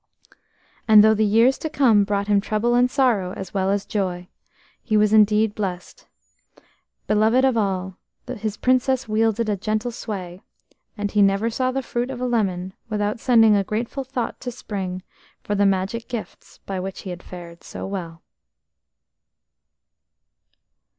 And though the years to come brought him trouble and sorrow as well as joy, he was indeed blest. Beloved of all, his Princess wielded a gentle sway, and he never saw the fruit of a lemon without sending a grateful thought to Spring for the magic gifts by which he had fared so well.